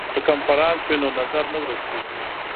که کنفرانس وي نو نظر نه ورک کیږي.